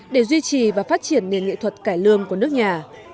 để duy trì và phát triển nền nghệ thuật cải lương của nước nhà